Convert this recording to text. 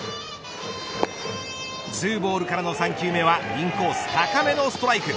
ツーボールからの３球目はインコース高めのストライク。